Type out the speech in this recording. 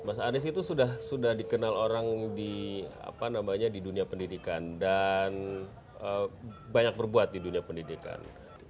mas anies itu sudah dikenal orang di dunia pendidikan dan banyak berbuat di dunia pendidikan